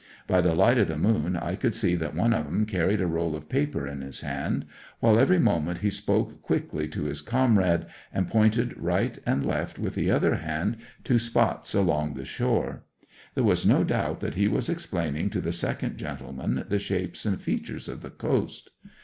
By the light o' the moon I could see that one of 'em carried a roll of paper in his hand, while every moment he spoke quick to his comrade, and pointed right and left with the other hand to spots along the shore. There was no doubt that he was explaining to the second gentleman the shapes and features of the coast.